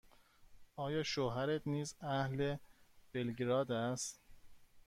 آیا شوهرت نیز اهل بلگراد است؟